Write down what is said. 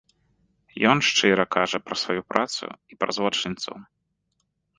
Ён шчыра кажа пра сваю працу і пра злачынцаў.